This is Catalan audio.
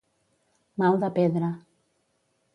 Mal de pedra.